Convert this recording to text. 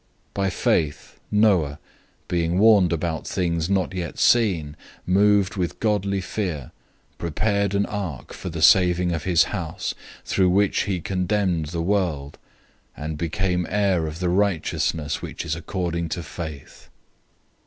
011:007 By faith, Noah, being warned about things not yet seen, moved with godly fear, prepared an ark for the saving of his house, through which he condemned the world, and became heir of the righteousness which is according to faith.